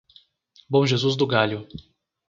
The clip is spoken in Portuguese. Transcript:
Bom Jesus do Galho